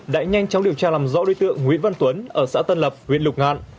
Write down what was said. đã nhanh chóng điều tra làm rõ đối tượng nguyễn văn tuấn ở xã tân lập huyện lục ngạn